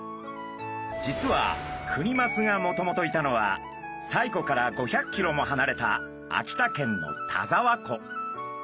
実はクニマスがもともといたのは西湖から５００キロもはなれた秋田県の田沢湖。